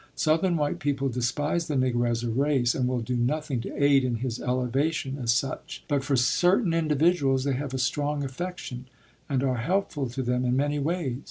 Southern white people despise the Negro as a race, and will do nothing to aid in his elevation as such; but for certain individuals they have a strong affection, and are helpful to them in many ways.